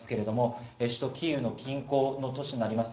首都キーウの近郊の都市にあります